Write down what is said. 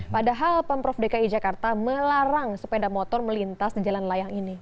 padahal pemprov dki jakarta melarang sepeda motor melintas di jalan layang ini